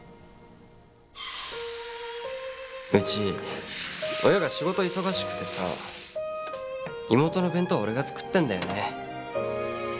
うち親が仕事忙しくてさ妹の弁当俺が作ってんだよね。